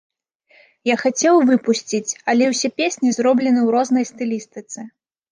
Я хацеў выпусціць, але ўсе песні зроблены ў рознай стылістыцы.